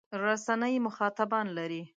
رسنۍ مخاطبان لري.